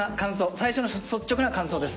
最初の率直な感想です。